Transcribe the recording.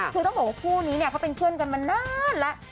คือต้องบอกว่าคู่นี้เนี่ยเขาเป็นเพื่อนกันมานานแล้ว